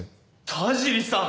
田尻さん